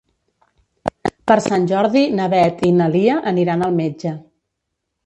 Per Sant Jordi na Beth i na Lia aniran al metge.